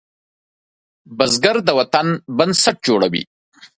بزګر د وطن بنسټ جوړوي